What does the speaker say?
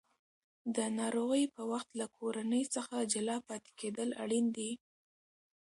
د ناروغۍ په وخت کې له کورنۍ څخه جلا پاتې کېدل اړین دي.